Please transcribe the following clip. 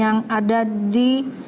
yang ada di